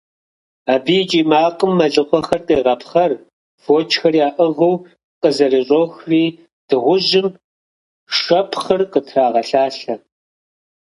Абы и кӀий макъым мэлыхъуэхэр къегъэпхъэр, фочхэр яӀыгъыу къызэрыщӀохри дыгъужьым шэпхъыр къытрагъэлъалъэ.